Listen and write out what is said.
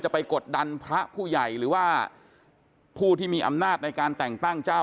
ไปกดดันพระผู้ใหญ่หรือว่าผู้ที่มีอำนาจในการแต่งตั้งเจ้า